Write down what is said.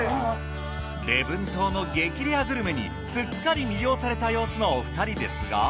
礼文島の激レアグルメにすっかり魅了された様子のお二人ですが。